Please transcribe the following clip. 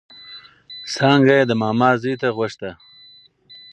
څانګه يې د ماما زوی ته غوښته